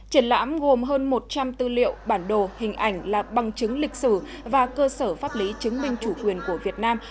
triển lãm gồm hơn một trăm linh tư liệu bản đồ hình ảnh là bằng chứng lịch sử và cơ sở pháp lý chứng minh chủ quyền của việt nam